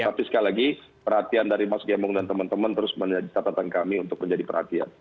tapi sekali lagi perhatian dari mas gembong dan teman teman terus menjadi catatan kami untuk menjadi perhatian